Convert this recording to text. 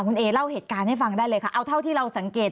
คุณเอเล่าเหตุการณ์ให้ฟังได้เลยค่ะเอาเท่าที่เราสังเกต